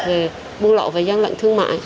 về buôn lộ và gian lận thương mại